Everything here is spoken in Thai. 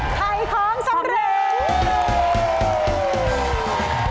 ไทยคล้องสำเร็จ